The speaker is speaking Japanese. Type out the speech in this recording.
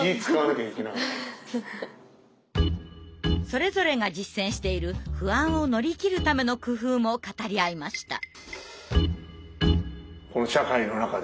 それぞれが実践している不安を乗り切るための工夫も語り合いました。